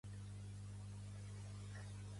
Pertany al moviment independentista el Domenico?